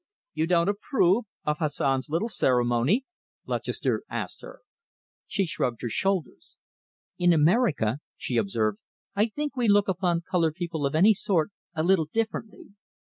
"You don't approve of Hassan's little ceremony?" Lutchester asked her. She shrugged her shoulders. "In America," she observed, "I think we look upon coloured people of any sort a little differently.